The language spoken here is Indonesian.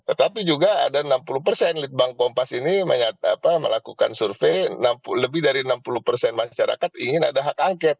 tetapi juga ada enam puluh persen litbang kompas ini melakukan survei lebih dari enam puluh persen masyarakat ingin ada hak angket